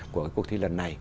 của cuộc thi lần này